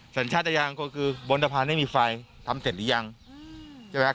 สัญชาติยานของคนคือบนตรภัณฑ์ไม่มีไฟทำเสร็จหรือยัง